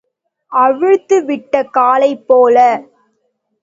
அவிழ்த்து விட்ட காளை போல.